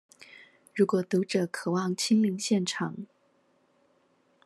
如果讀者渴望親臨現場